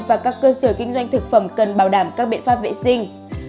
và các cơ sở kinh doanh thực phẩm cần bảo đảm các biện pháp vệ sinh